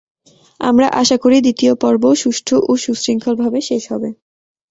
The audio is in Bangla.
আমরা আশা করি, দ্বিতীয় পর্বও সুষ্ঠু ও সুশৃঙ্খলভাবে শেষ হবে।